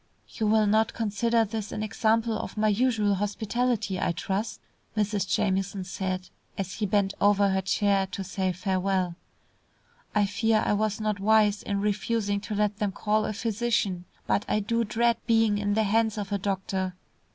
"You will not consider this an example of my usual hospitality, I trust," Mrs. Jamieson said, as he bent over her chair to say farewell. "I fear I was not wise in refusing to let them call a physician, but I do dread being in the hands of a doctor.